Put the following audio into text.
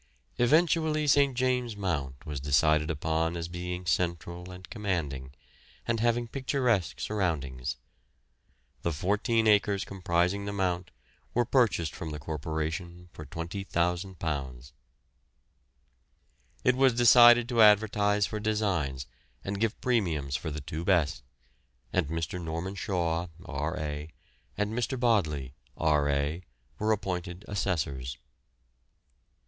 Eventually St. James' Mount was decided upon as being central and commanding, and having picturesque surroundings. The fourteen acres comprising the Mount were purchased from the Corporation for £20,000. It was decided to advertise for designs and give premiums for the two best, and Mr. Norman Shaw, R.A., and Mr. Bodley, R.A., were appointed assessors.